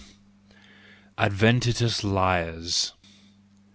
Adventitious Liars